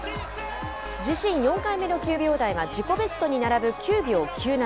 自身４回目の９秒台は、自己ベストに並ぶ９秒９７。